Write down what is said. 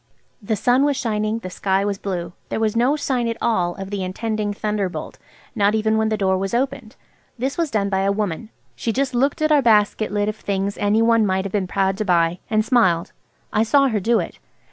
The sun was shining, the sky was blue. There was no sign at all of the intending thunderbolt, not even when the door was opened. This was done by a woman. She just looked at our basket lid of things any one might have been proud to buy, and smiled. I saw her do it.